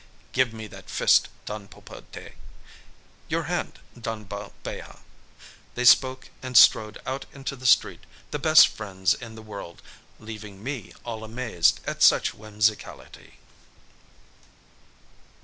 "Give me that fist, Don Pulpete." "Your hand, Don Balbeja." They spoke and strode out into the street, the best friends in the world, leaving me all amazed at such whimsicality.